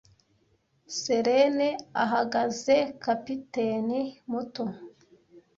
Serene ahagaze capitaine muto,